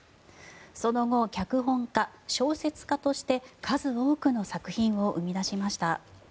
その後、脚本家、小説家として数多くの作品を生み出しました。